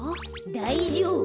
だいじょうぶ。